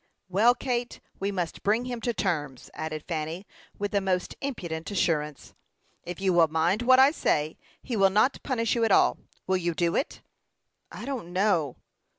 "Well, Kate, we must bring him to terms," added Fanny, with the most impudent assurance. "If you will mind what I say, he will not punish you at all. Will you do it?" "I don't know."